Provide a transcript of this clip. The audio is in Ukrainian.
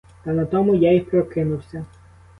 Та на тому я й прокинувся.